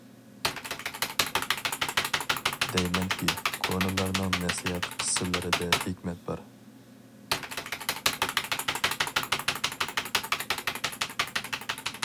دەيمەنكى، كونىلارنىڭ نەسىھەت، قىسسىلىرىدە ھېكمەت بار.